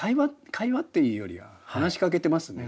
会話っていうよりは話しかけてますね